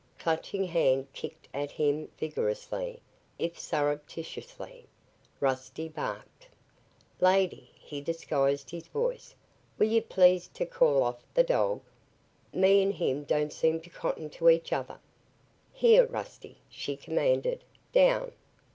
Clutching Hand kicked at him vigorously, if surreptitiously. Rusty barked. "Lady," he disguised his voice, "will yer please ter call off the dog? Me and him don't seem to cotton to each other." "Here, Rusty," she commanded, "down!"